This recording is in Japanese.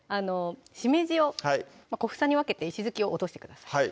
しめじを小房に分けて石突きを落としてください